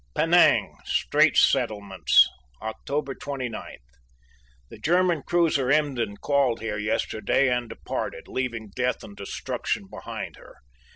] Penang, Straits Settlements, Oct. 29. The German cruiser Emden called here yesterday and departed, leaving death and destruction behind her.